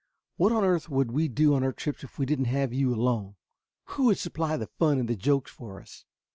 What on earth would we do on our trips if we didn't have you along? Who would supply the fun and the jokes for us?"